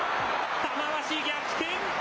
玉鷲逆転。